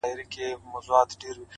خدایه زموږ ژوند په نوي کال کي کړې بدل!!